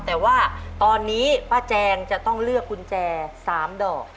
แต่ว่าตอนนี้ป้าแจงจะต้องเลือกกุญแจ๓ดอก